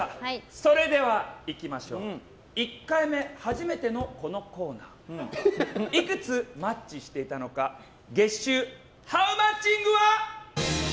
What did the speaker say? それでは１回目、初めてのこのコーナーいくつマッチしていたのか月収ハウマッチングは。